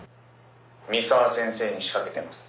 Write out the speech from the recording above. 「三沢先生に仕掛けてます」